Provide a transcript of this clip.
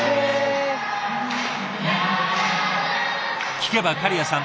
聞けば狩屋さん